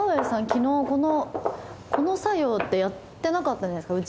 昨日このこの作業やってなかったんじゃないですか？